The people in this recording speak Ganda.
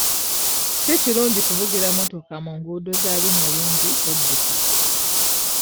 Si kirungi kuvugira mmotoka mu nguudo za binnya bingi ng'odduka.